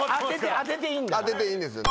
当てていいんですよね。